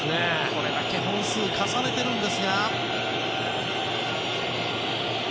これだけ本数を重ねているんですが。